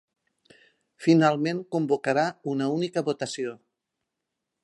Finalment convocarà una única votació.